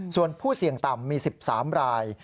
ส่วนผู้เสี่ยงต่ำมี๑๓ราย